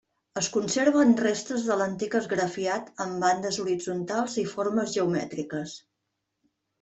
Es conserven restes de l'antic esgrafiat amb bandes horitzontals i formes geomètriques.